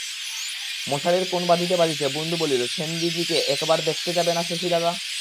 মশারির কোণ বাঁধিতে বাঁধিতে বুন্দ বলিল, সেনদিদিকে একবার দেখতে যাবে না শশী দাদা?